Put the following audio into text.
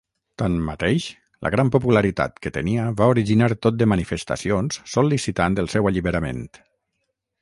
Tanmateix, la gran popularitat que tenia va originar tot de manifestacions sol·licitant el seu alliberament.